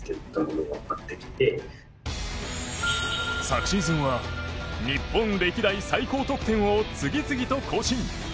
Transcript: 昨シーズンは日本歴代最高得点を次々と更新。